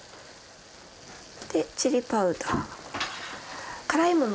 でチリパウダー。